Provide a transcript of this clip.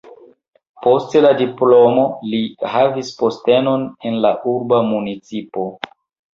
Post la diplomo li havis postenon en la urba municipo.